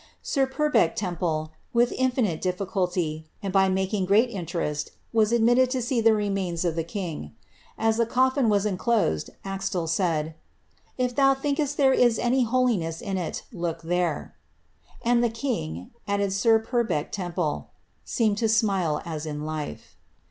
Sir Purbeck Temple, with infinite difficulty, and by making great inte rest, was admitted to sec the remains of the king. As the coffin was unclosed, Axtel said, ^ If thou tliinkest there is any holiness in it, look tiiere." ^And the king,^' added sir Purbeck Temple, ^ seemed to imilo as in life."